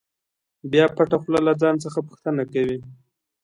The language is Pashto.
بیا پټه خوله له ځان څخه پوښتنه کوي.